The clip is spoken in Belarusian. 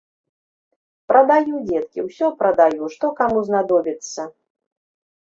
Прадаю, дзеткі, усё прадаю, што каму знадобіцца.